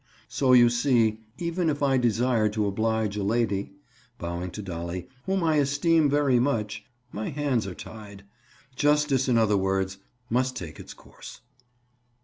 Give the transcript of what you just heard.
So you see even if I desired to oblige a lady"—bowing to Dolly "whom I esteem very much, my hands are tied. Justice, in other words, must take its course."